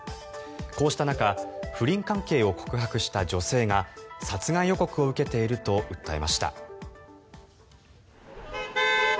こうした中不倫関係を告白した女性が殺害予告を受けていると訴えました。